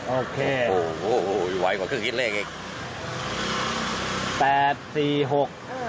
โอเคโอ้โฮอยู่ไว้กว่าครึ่งคิดเลขอีก